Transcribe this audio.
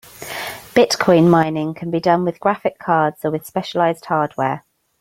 Bitcoin mining can be done with graphic cards or with specialized hardware.